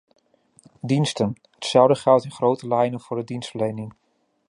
Diensten: hetzelfde geldt in grote lijnen voor de dienstverlening.